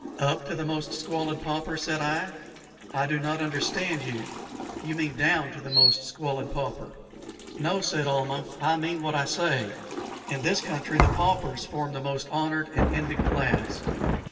"Up to the most squalid pauper?" said I. "I do not understand you. You mean down to the most squalid pauper." "No," said Almah; "I mean what I say. In this country the paupers form the most honored and envied class."